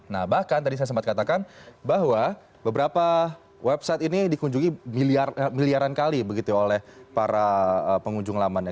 nah bahkan tadi saya sempat katakan bahwa beberapa website ini dikunjungi miliaran kali begitu ya oleh para pengunjung lamanya